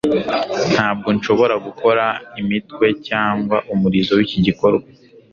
Ntabwo nshobora gukora imitwe cyangwa umurizo wiki gikorwa.